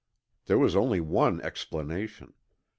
There was only one explanation.